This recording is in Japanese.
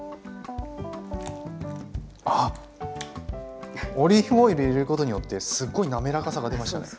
あっオリーブオイル入れることによってすっごい滑らかさが出ましたね。